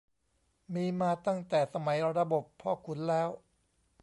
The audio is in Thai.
มีมาตั้งแต่สมัยระบบพ่อขุนแล้ว